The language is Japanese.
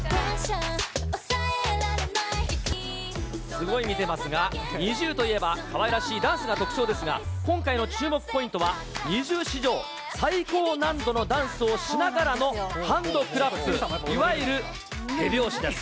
すごい見てますが、ＮｉｚｉＵといえば、かわいらしいダンスが特徴ですが、今回の注目ポイントは、ＮｉｚｉＵ史上最高難度のダンスをしながらのハンドクラップ、いわゆる手拍子です。